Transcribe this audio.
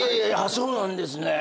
そうなんですね。